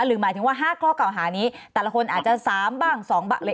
หรือหมายถึงว่า๕ข้อเก่าหานี้แต่ละคนอาจจะสามบ้างซองบะเล่